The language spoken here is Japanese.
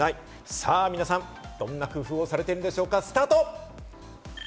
さぁ皆さん、どんな工夫をされているのでしょうか、スタート！